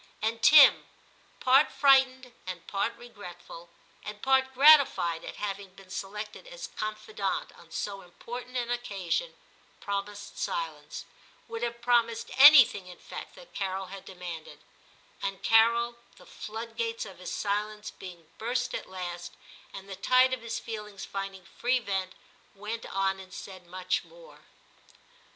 And Tim, part frightened, and part regretful, and part gratified at having been selected as confidant on so important an occasion, promised silence, — would have promised anything, in fact, that Carol had demanded, — and Carol, the floodgates of his silence being burst at last, and the tide of his feelings finding free vent, went on and said much more.